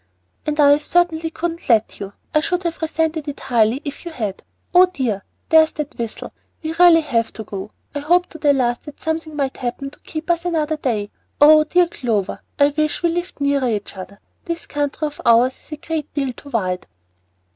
"And I certainly couldn't let you. I should have resented it highly if you had. Oh dear, there's that whistle. We really have got to go. I hoped to the last that something might happen to keep us another day. Oh dear Clover, I wish we lived nearer each other. This country of ours is a great deal too wide."